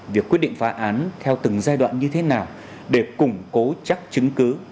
việc quyết định phá án theo từng giai đoạn như thế nào để củng cố chắc chứng cứ